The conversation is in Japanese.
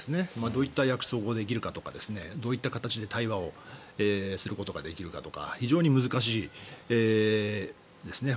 どういった約束をできるかとかどういった形で対話をすることができるかとか非常に難しいですね。